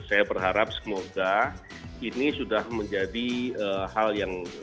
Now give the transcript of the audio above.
saya berharap semoga ini sudah menjadi hal yang